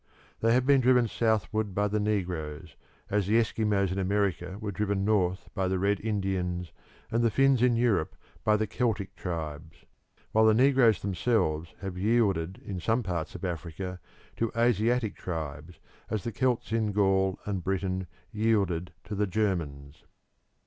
They have been driven southward by the negroes, as the Eskimos in America were driven north by the Red Indians and the Finns in Europe by the Celtic tribes, while the negroes themselves have yielded in some parts of Africa to Asiatic tribes, as the Celts in Gaul and Britain yielded to the Germans.